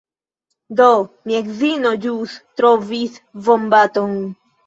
Do, mia edzino ĵus trovis vombaton.